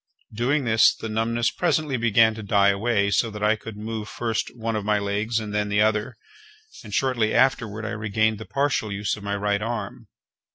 Doing this, the numbness presently began to die away so that I could move first one of my legs, and then the other, and, shortly afterward I regained the partial use of my right arm.